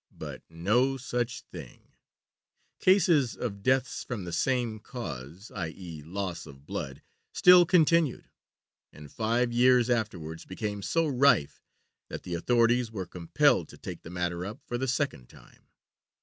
But no such thing; cases of deaths from the same cause i.e., loss of blood still continued, and five years afterwards became so rife that the authorities were compelled to take the matter up for the second time.